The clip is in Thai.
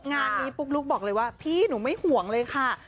งานนี้ปุ๊กลุ๊กบอกเลยว่าพี่หนูไม่ห่วงเลยค่ะ